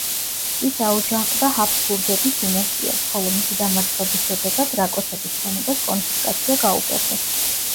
ის აუჯანყდა ჰაბსბურგების დინასტიას, ხოლო მისი დამარცხების შედეგად რაკოცების ქონებას კონფისკაცია გაუკეთეს.